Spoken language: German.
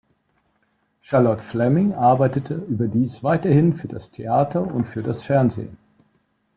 Charlotte Flemming arbeitete überdies weiterhin für das Theater und für das Fernsehen.